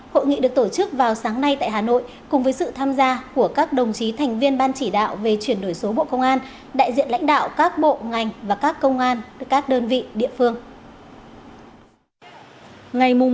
hội nghị được tổ chức vào sáng nay tại hà nội cùng với sự tham gia của các đồng chí thành viên ban chỉ đạo về chuyển đổi số bộ công an đại diện lãnh đạo các bộ ngành và các công an các đơn vị địa phương